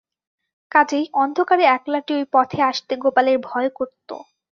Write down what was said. কাজেই অন্ধকারে একলাটি ঐ পথে আসতে গোপালের ভয় করত।